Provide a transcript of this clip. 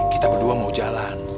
kita berdua mau jalan